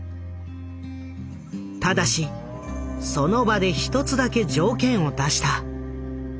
ただしその場で一つだけ条件を出した。